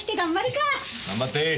頑張ってー！